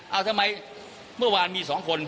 เอาทำไมเมื่อวานมี๒คน